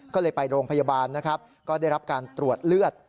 ก็เลยไปโรงพยาบาลนะครับก็ได้รับการตรวจเลือด